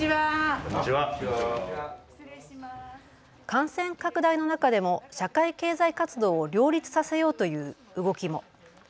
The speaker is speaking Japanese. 感染拡大の中でも社会経済活動を両立させようという動きも。